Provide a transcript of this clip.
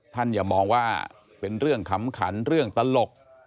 อย่ามองว่าเป็นเรื่องขำขันเรื่องตลก